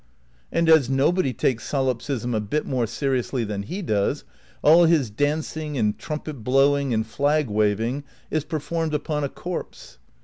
And as nobody takes solipsism a bit more seriously than he does, all his dancing and trumpet blowing and flag waving is performed upon a corpse.